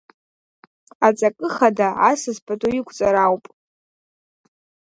Аҵакы хада асас пату иқәҵара ауп.